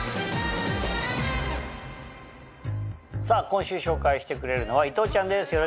さぁ今週紹介してくれるのは伊藤ちゃんです。